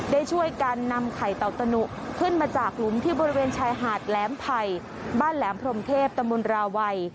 ได้ช่วยกันนำไข่เต่าตะหนุขึ้นมาจากหลุมที่บริเวณชายหาดแหลมไผ่บ้านแหลมพรมเทพตมราวัย